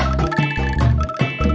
itu kepone your name bag